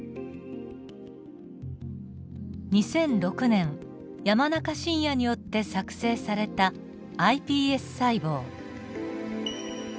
２００６年山中伸弥によって作製されたｉＰＳ細胞。